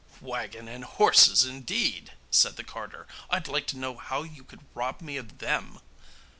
'Waggon and horses, indeed,' said the carter; 'I'd like to know how you could rob me of them!